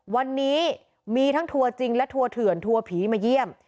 วันนี้มีทั้งทัวร์จริงและทัวเถื่อนทัวร์ผีมาเยี่ยม